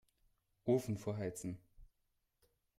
Ofen vorheizen.